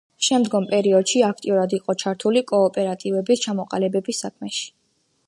შემდგომ პერიოდში აქტიურად იყო ჩართული კოოპერატივების ჩამოყალიბების საქმეში.